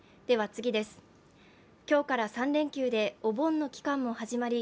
今日から３連休でお盆の期間も始まり